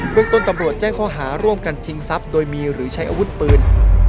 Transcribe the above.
เรื่องต้นตำรวจแจ้งข้อหาร่วมกันชิงทรัพย์โดยมีหรือใช้อาวุธปืน